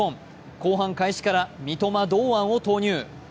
後半開始から三笘、堂安を投入。